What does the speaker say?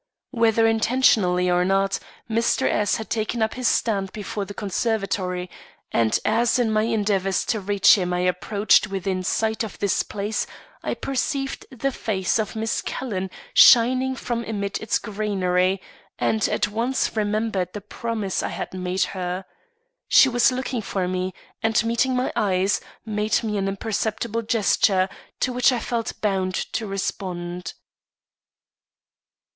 Whether intentionally or not, Mr. S had taken up his stand before the conservatory, and as in my endeavors to reach him I approached within sight of this place, I perceived the face of Miss Calhoun shining from amid its greenery, and at once remembered the promise I had made her. She was looking for me, and, meeting my eyes, made me an imperceptible gesture, to which I felt bound to respond.